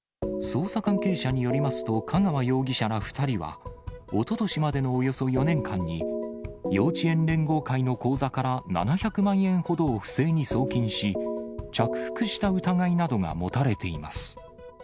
捜査関係者によりますと、香川容疑者ら２人は、おととしまでのおよそ４年間に、幼稚園連合会の口座から７００万円ほどを不正に送金し、着服した疑いなどが持たれています。